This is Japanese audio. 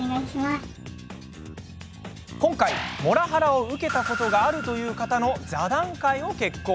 今回、モラハラを受けたことがあるという方の座談会を決行。